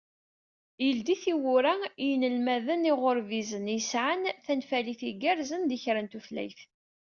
Yeldi tiwwura-s i yinelmaden iɣurbizen yesɛan tanfalit igerrzen di kra n tutlayt.